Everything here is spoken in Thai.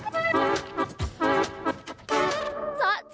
เปรี้ยวปากมันลายแตกจั๊วเลยจั๊มมะเป๋ย